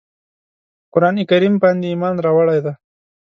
قرآن کریم باندي ایمان راوړی دی.